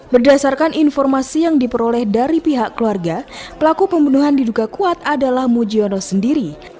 berdasarkan informasi yang diperoleh dari pihak keluarga pelaku pembunuhan diduga kuat adalah mujiono sendiri